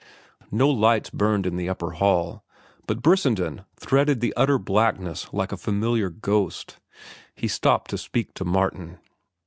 No lights burned in the upper hall, but Brissenden threaded the utter blackness like a familiar ghost. He stopped to speak to Martin.